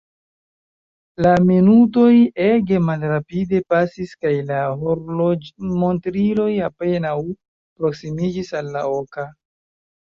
La minutoj ege malrapide pasis kaj la horloĝmontriloj apenaŭ proksimiĝis al la oka.